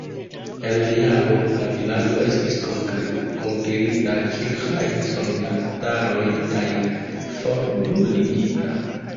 En la jaro la vilaĝo estis konkerita ĉeĥaj soldataroj kaj forbruligita.